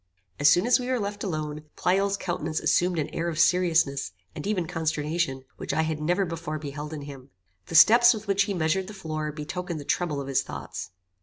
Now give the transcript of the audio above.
As soon as we were left alone, Pleyel's countenance assumed an air of seriousness, and even consternation, which I had never before beheld in him. The steps with which he measured the floor betokened the trouble of his thoughts.